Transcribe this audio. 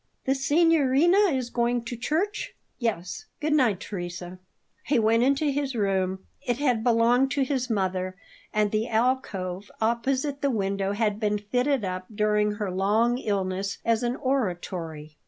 "The signorino is going to church?" "Yes. Good night, Teresa." He went into his room. It had belonged to his mother, and the alcove opposite the window had been fitted up during her long illness as an oratory.